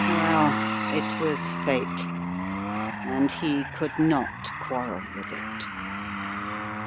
Well, it was Fate, and he could not quarrel with it.